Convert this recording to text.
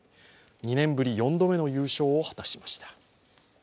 ２年ぶり４度目の優勝を果たしました。